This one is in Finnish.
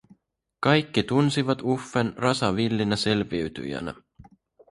Kaikki tunsivat Uffen rasavillinä selviytyjänä.